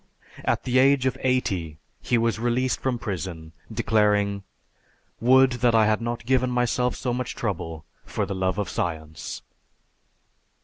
At the age of eighty, he was released from prison declaring, "Would that I had not given myself so much trouble for the love of science."